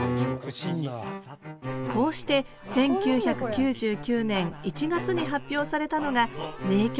こうして１９９９年１月に発表されたのが名曲